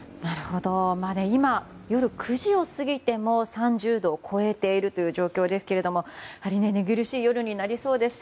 今、夜９時を過ぎても３０度を超えているという状況ですけれども寝苦しい夜になりそうです。